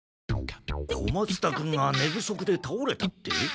小松田君が寝不足でたおれたって？